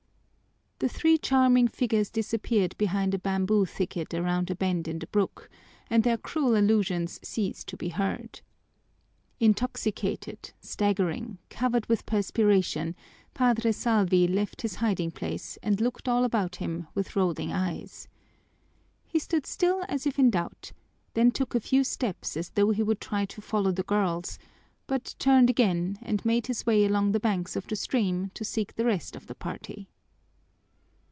The three charming figures disappeared behind a bamboo thicket around a bend in the brook, and their cruel allusions ceased to be heard. Intoxicated, staggering, covered with perspiration, Padre Salvi left his hiding place and looked all about him with rolling eyes. He stood still as if in doubt, then took a few steps as though he would try to follow the girls, but turned again and made his way along the banks of the stream to seek the rest of the party.